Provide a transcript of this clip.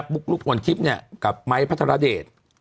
ปุ๊กลุ๊กบนคลิปเนี่ยกับไม้พระธรเดช